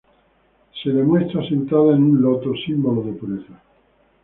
Se la muestra sentada en un loto, símbolo de pureza.